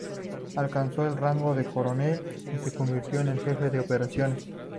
Alcanzó el rango de Coronel y se convirtió en el Jefe de Operaciones.